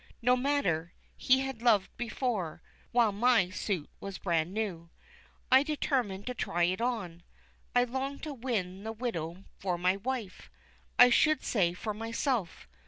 No matter, he had loved before, while my suit was brand new. I determined to try it on. I longed to win the widow for my wife I should say for myself.